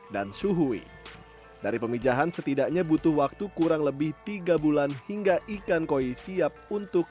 dan suhui dari pemijahan setidaknya butuh waktu kurang lebih tiga bulan hingga ikan koi siap untuk